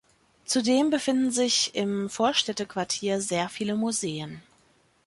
Zudem befinden sich im Vorstädte-Quartier sehr viele Museen.